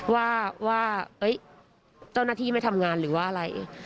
ว่าเจ้าหน้าที่ไม่ทำงานหรือว่าอะไร